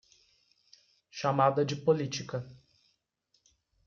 Chamada de política